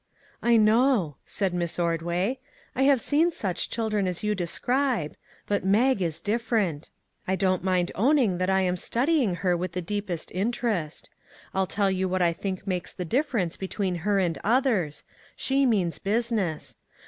" I know," said Miss Ordway ;" I have seen 281 MAG AND MARGARET such children as you describe, but Mag is dif ferent. I don't mind owning that I am study ing her with the deepest interest. I'll tell you what I think makes the difference between her and others. She means business.